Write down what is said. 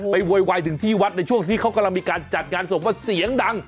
โวยวายถึงที่วัดในช่วงที่เขากำลังมีการจัดงานศพว่าเสียงดัง